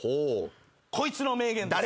こいつの名言です。